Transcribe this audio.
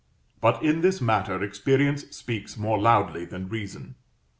But in this matter experience speaks more loudly than reason.